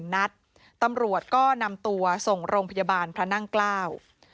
นัดตำรวจก็นำตัวส่งโรงพยาบาลพระนั่งเกล้า